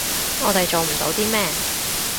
我哋做唔到啲咩